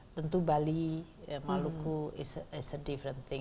tentu bali maluku adalah hal yang berbeda